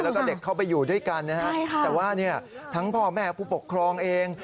แล้วก็เด็กเข้าไปอยู่ด้วยกันนะฮะแต่ว่าเนี่ยทั้งพ่อแม่ผู้ปกครองเอง